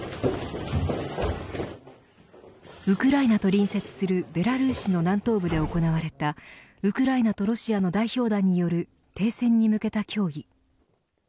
ウクライナと隣接するベラルーシの南東部で行われたウクライナとロシアの代表団による停戦に向けた協議。